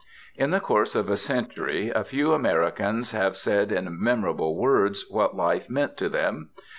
In the course of a century a few Americans have said in memorable words what life meant to them.